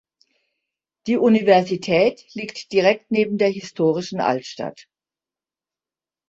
Die Universität liegt direkt neben der historischen Altstadt.